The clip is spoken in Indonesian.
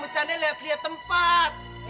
mencandai lihat lihat tempat